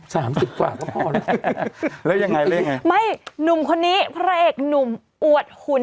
สามสิบกว่าก็แต่ไม่หนุ่มคนนี้พระเอกหนุ่มอวดขุน